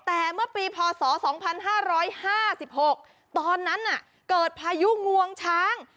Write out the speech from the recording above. แต่เมื่อปีพศ๒๕๕๖ตอนนั้นเกิดพายุงวงช้าง